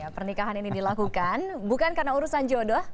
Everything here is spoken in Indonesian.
pernikahan ini dilakukan bukan karena urusan jodoh